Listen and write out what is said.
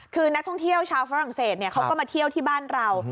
คือนักท่องเที่ยวชาวฝรั่งเศสเขาก็มาเที่ยวที่บ้านเรา